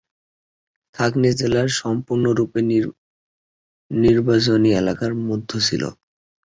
Caithness জেলা সম্পূর্ণরূপে নির্বাচনী এলাকার মধ্যে ছিল।